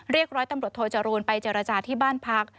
ร้อยตำรวจโทจรูลไปเจรจาที่บ้านพัก